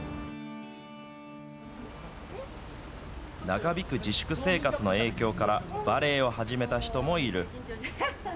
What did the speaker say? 長引く自粛生活の影響から、バレエを始めた人もいる。